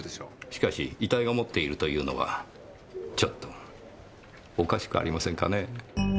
しかし遺体が持っているというのはちょっとおかしくありませんかね。